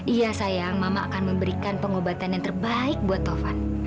ia sayang mama akan memberikan pengobatan yang terbaik buat tovan